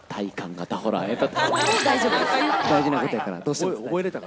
大事なことやから、どうしても。